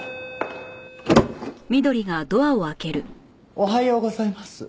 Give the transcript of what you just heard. おはようございます。